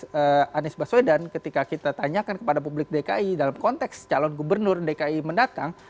kalau misalnya elektabilitas anies beswedan ketika kita tanyakan kepada publik dki dalam konteks calon gubernur dki mendatang